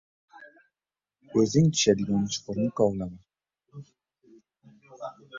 • O‘zing tushadigan chuqurni kovlama.